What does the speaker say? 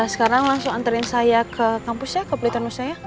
sekarang langsung anterin saya ke kampus ya ke pelitonusnya ya